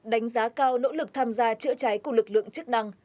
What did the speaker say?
đánh giá cao nỗ lực tham gia chữa cháy của lực lượng chức năng